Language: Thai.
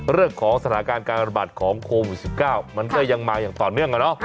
เรื่องของสถานการณ์การระบาดของโควิด๑๙มันก็ยังมาอย่างต่อเนื่อง